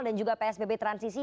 dan juga psbb transisi